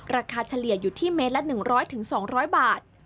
เฉลี่ยอยู่ที่เมตรละ๑๐๐๒๐๐บาท